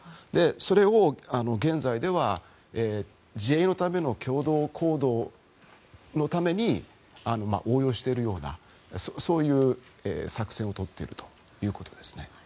それを現在では自衛のための共同行動のために応用しているようなそういう作戦をとっているということですね。